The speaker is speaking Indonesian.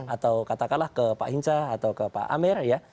atau katakanlah ke pak hinca atau ke pak amir ya